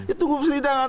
itu tunggu persidangan